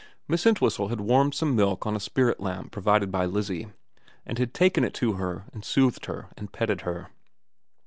Miss Entwhistle had warmed some milk on a spirit lamp provided by Lizzie, and had given it to her and soothed her and petted her.